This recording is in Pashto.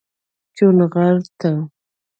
چونغرته